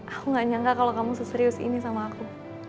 aku gak nyangka kalau kamu seserius ini sama aku